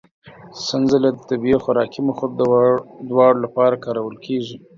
سنځله د طبي او خوراکي موخو دواړو لپاره کارول کېږي.